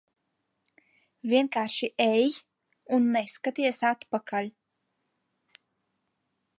Vienkārši ej un neskaties atpakaļ.